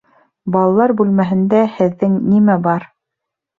Балалар бүлмәһендә һеҙҙең нимә бар?